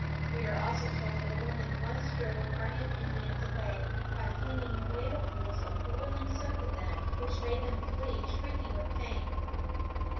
We are also told that a woman once drove a party of Indians away by flinging ladlefuls of boiling soap at them, which made them flee, shrieking with pain.